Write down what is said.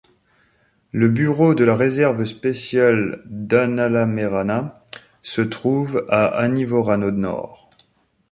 Le bureau de la Réserve Spéciale d’Analamerana se trouve à Anivorano Nord.